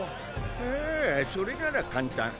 ああそれなら簡単。